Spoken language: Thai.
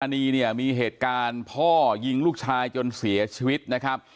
อันนี้เนี่ยมีเหตุการณ์พ่อยิงลูกชายจนเสียชีวิตนะครับ